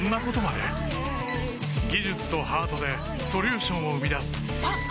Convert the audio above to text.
技術とハートでソリューションを生み出すあっ！